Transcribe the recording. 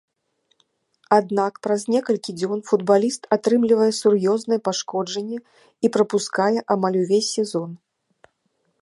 Аднак праз некалькі дзён футбаліст атрымлівае сур'ёзнае пашкоджанне і прапускае амаль увесь сезон.